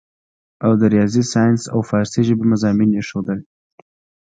او د رياضي سائنس او فارسي ژبې مضامين ئې ښودل